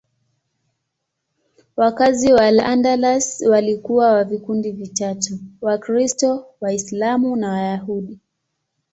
Wakazi wa Al-Andalus walikuwa wa vikundi vitatu: Wakristo, Waislamu na Wayahudi.